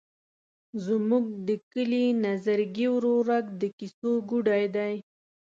زموږ د کلي نظرګي ورورک د کیسو ګوډی دی.